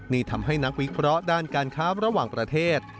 นี่ทำให้นักวิเคราะห์ด้านการค้าระหว่างประเทศ